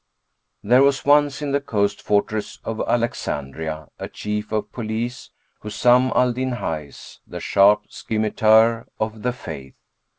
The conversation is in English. There was once in the coast fortress of Alexandria, a Chief of Police, Husбm al Din highs, the sharp Scymitar of the Faith.